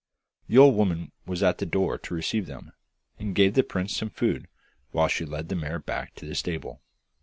The old woman was at the door to receive them, and gave the prince some food while she led the mare back to the stable.